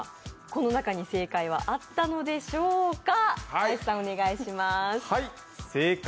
この中に正解はあったのでしょうか？